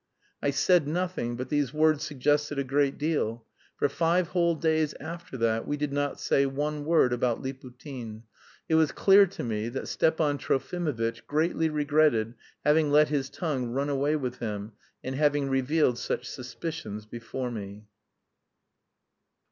I said nothing, but these words suggested a great deal. For five whole days after that we did not say one word about Liputin; it was clear to me that Stepan Trofimovitch greatly regretted having let his tongue run away with him, and having revealed such suspicions before me.